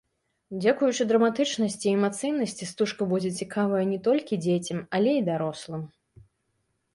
Дзякуючы драматычнасці і эмацыйнасці стужка будзе цікавая не толькі дзецям, але і дарослым.